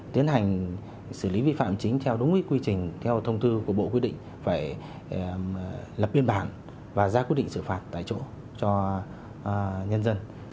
di lý về đâu rồi anh giang